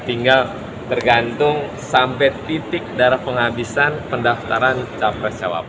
tinggal tergantung sampai titik darah penghabisan pendaftaran capres cawapres